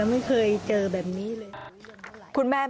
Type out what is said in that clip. ไม่เคยเจอแบบนี้เลย